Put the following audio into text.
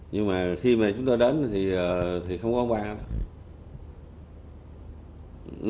nhưng mà khi mà chúng tôi đến thì không có quang